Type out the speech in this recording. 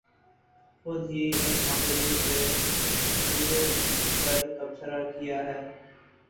خود ہی اس مخلوق کے رویے پر تبصرہ کیاہے